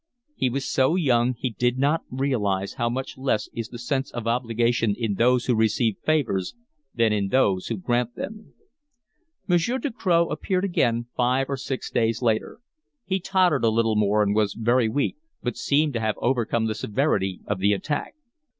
He was so young, he did not realise how much less is the sense of obligation in those who receive favours than in those who grant them. Monsieur Ducroz appeared again five or six days later. He tottered a little more and was very weak, but seemed to have overcome the severity of the attack.